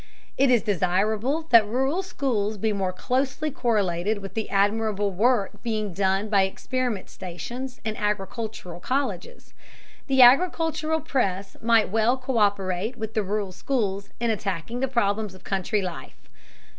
It is desirable that rural schools be more closely correlated with the admirable work being done by experiment stations and agricultural colleges. The agricultural press might well co÷perate with the rural schools in attacking the problems of country life.